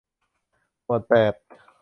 หมวดแปด